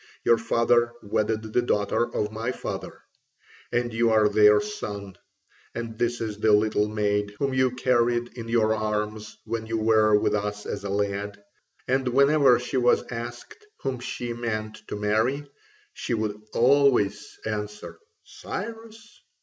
Your father wedded the daughter of my father, and you are their son; and this is the little maid whom you carried in your arms when you were with us as a lad, and whenever she was asked whom she meant to marry, she would always answer 'Cyrus.'